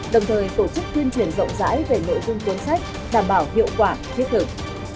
đồng thời tổ chức tuyên truyền rộng rãi về nội dung cuốn sách đảm bảo hiệu quả thiết thực